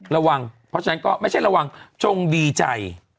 ระวังเพราะฉะนั้นก็ไม่ใช่ระวังจงดีใจ